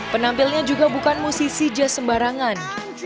penampilnya juga bukan musisi jazz sembarangan